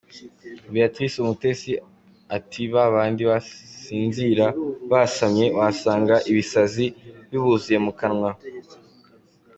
Béatrice Umutesi ati “ba bandi basinzira basamye, wasanga ibisazi bibuzuye mu kanwa.